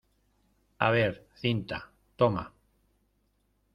a ver, cinta. toma .